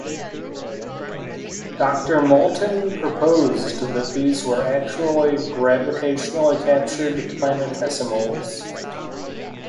Doctor Moulton proposed that these were actually gravitationally-captured planetesimals.